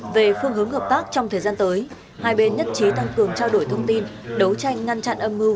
về phương hướng hợp tác trong thời gian tới hai bên nhất trí tăng cường trao đổi thông tin đấu tranh ngăn chặn âm mưu